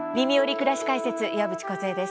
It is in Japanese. くらし解説」岩渕梢です。